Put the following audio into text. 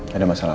jadi apa earth